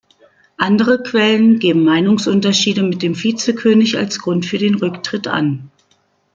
Andere Quellen geben Meinungsunterschiede mit dem Vizekönig als Grund für den Rücktritt an.